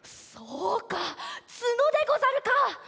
そうかつのでござるか！